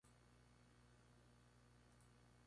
Se clasifica como juego de tablero abstracto.